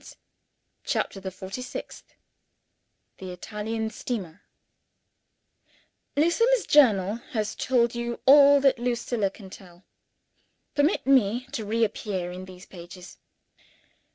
] CHAPTER THE FORTY SIXTH The Italian Steamer LUCILLA'S Journal has told you all that Lucilla can tell. Permit me to reappear in these pages.